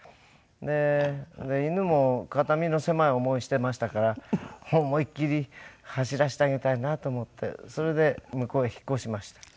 で犬も肩身の狭い思いしてましたから思いっきり走らせてあげたいなと思ってそれで向こうへ引っ越しました。